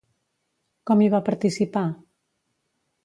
Com hi va participar?